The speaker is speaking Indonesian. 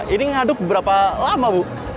ini ngaduk berapa lama bu